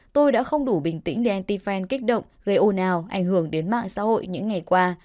tôi đã không đủ bình tĩnh để anti fan kích động gây ô nào ảnh hưởng đến mạng xã hội những ngày qua